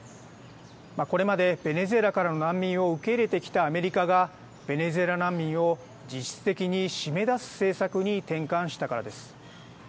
これまでベネズエラからの難民を受け入れてきたアメリカがベネズエラ難民を実質的に閉め出す政策に転換したからです。